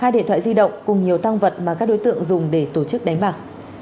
hai điện thoại di động cùng nhiều tăng vật mà các đối tượng dùng để tổ chức đánh bạc